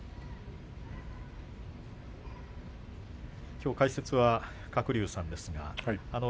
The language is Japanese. きょう解説は鶴竜さんです。